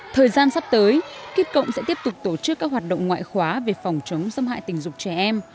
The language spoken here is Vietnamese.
thời gian sắp tới kit cộng sẽ tiếp tục tổ chức các hoạt động ngoại khóa về phòng chống xâm hại tình dục trẻ em